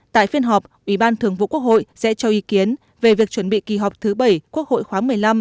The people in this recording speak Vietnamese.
tại phiên họp ủy ban thường vụ quốc hội sẽ cho ý kiến về việc chuẩn bị kỳ họp thứ bảy quốc hội khoáng một mươi năm